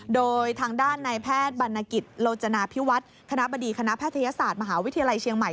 โดยทางด้านในแพทย์บรรณกิจโลจนาพิวัฒน์คณะบดีคณะแพทยศาสตร์มหาวิทยาลัยเชียงใหม่